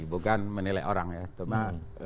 bukan menilai orang ya